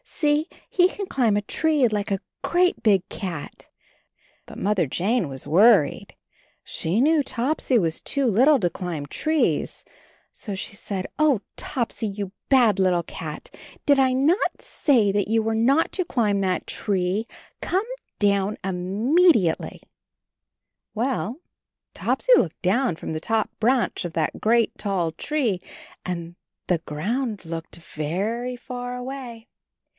See, he can climb a tree like a great big cat." But Mother Jane was worried. She knew Topsy was too little to climb trees, so she said, "Oh, Topsy, you bad little cat! Did I not say that you were not to climb that tree? Come down immediately Well — Topsy looked down from the top branch of that great tall tree and the ground looked very far away.